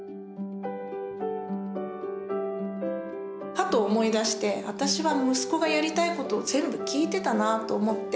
は！っと思い出して私は息子がやりたいことを全部聞いてたなと思って。